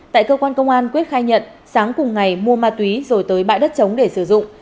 tại cơ quan công an quyết khai nhận sáng cùng ngày mua ma túy rồi tới bãi đất chống để sử dụng